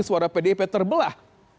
suara pdip terbelah